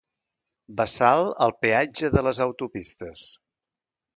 Bassal al peatge de les autopistes.